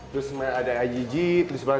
terus ada igg